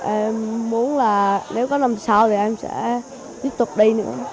em muốn là nếu có năm sau thì em sẽ tiếp tục đi nữa